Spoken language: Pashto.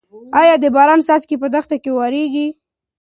ايا د باران څاڅکي به په دښته کې واوریږي؟